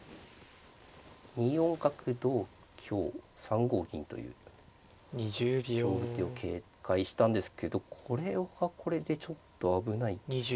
２四角同香３五銀という勝負手を警戒したんですけどこれはこれでちょっと危ない気が。